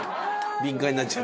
「敏感になっちゃう」